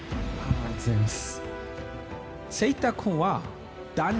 ありがとうございます。